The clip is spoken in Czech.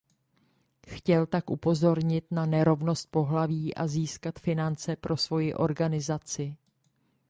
Chtěl tak upozornit na nerovnost pohlaví a získat finance pro svoji organizaci.